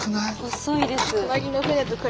細いです。